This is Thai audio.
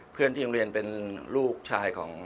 เพื่อนที่โรงเรียนเป็นลูกชายของ